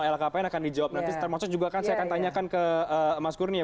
lhkpn akan dijawab nanti termasuk juga kan saya akan tanyakan ke mas kurnia